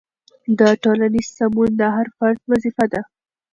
د ټولنې سمون د هر فرد وظیفه ده.